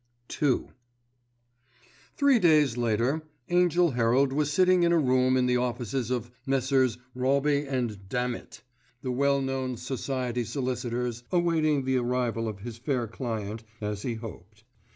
*II* Three days later Angell Herald was sitting in a room in the offices of Messrs. Robbe & Dammitt, the well known society solicitors, awaiting the arrival of his fair client—as he hoped.